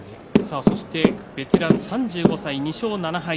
そしてベテラン３５歳、２勝７敗